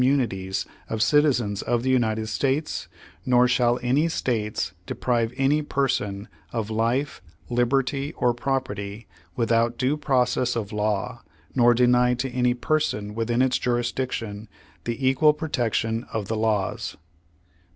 munities of citizens of the United Page One Hundred seveiity six States; nor shall any States deprive any person of life, liberty, or property without due process of law nor deny to any person within its jurisdiction the equal protection of the laws.